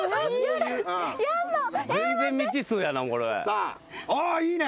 さあおいいね。